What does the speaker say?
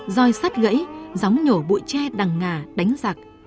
doi sắt gãy gióng nhổ bụi tre đằng ngà đánh giặc